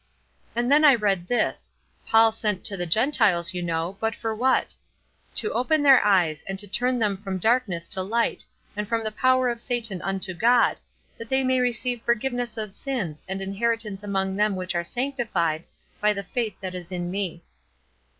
And then I read this; Paul sent to the Gentiles, you know, but for what: 'To open their eyes, and to turn them from darkness to light, and from the power of Satan unto God, that they may receive forgiveness of sins and inheritance among them which are sanctified, by faith that is in me.'